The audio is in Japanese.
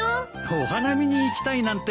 お花見に行きたいなんて